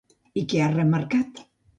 I què ha remarcat?